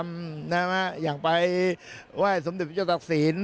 ใช่ไหมอยากไปว่าสมเด็จพระเจ้าตักศีล